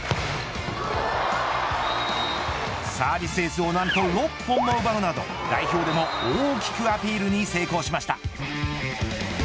サービスエースを何と６本も奪うなど代表でも大きくアピールに成功しました。